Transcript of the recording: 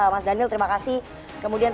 mas daniel terima kasih kemudian